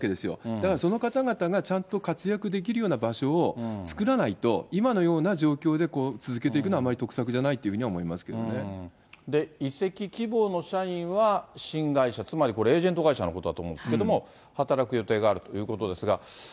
だからその方々がちゃんと活躍できるような場所を作らないと、今のような状況で続けていくのはあまり得策じゃないというふうに移籍希望の社員は新会社、つまりこれ、エージェント会社のことだと思うんですけど、働く予定があるということですが。